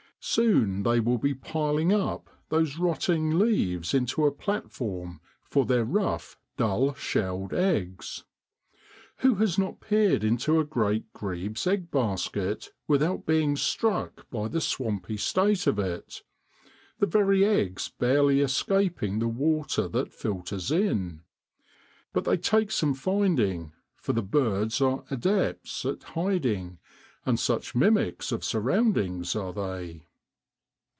Soon they will be piling up those rotting leaves into a platform for their rough, dull shelled eggs. Who has not peered into a great grebe's egg basket without being struck by the swampy state of it, the very eggs barely escaping the water that filters in ! But they take some finding, for the birds are adepts at hiding, and such mimics of surroundings are they.